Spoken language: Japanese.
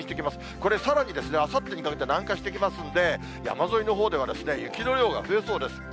これ、さらにですね、あさってにかけて南下してきますので、山沿いのほうでは雪の量が増えそうです。